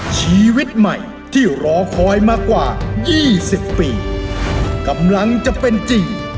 ชีวิตใหม่ที่รอคอยมากว่า๒๐ปีกำลังจะเป็นจริง